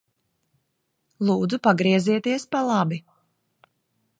Lūdzu pagriezieties pa labi.